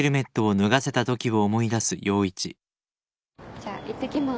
じゃあいってきます。